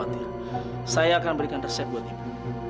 jangan perlu khawatir saya akan berikan resep buat ibu